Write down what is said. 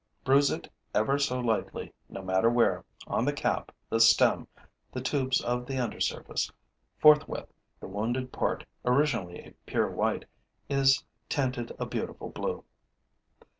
Bruise it ever so lightly, no matter where, on the cap, the stem, the tubes of the undersurface: forthwith, the wounded part, originally a pure white, is tinted a beautiful blue.